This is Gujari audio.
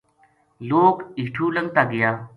لوک ہیٹو لنگتا گیا